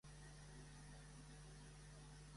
Desaconsellà les invasions d'Espanya i de l'Imperi Rus.